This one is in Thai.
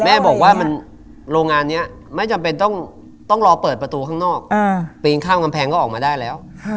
แม่บอกว่าโรงงานนี้ไม่จำเป็นต้องรอเปิดประตูข้างนอกปีนข้ามกำแพงก็ออกมาได้แล้ว